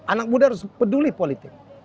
anak muda harus peduli politik